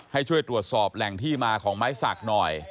ให้ช่วยตรวจสอบแหล่งที่มาของไม้สักหน่อย